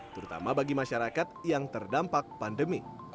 terutama bagi masyarakat yang terdampak pandemi